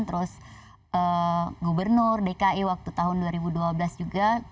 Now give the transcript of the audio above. terus gubernur dki waktu tahun dua ribu dua belas juga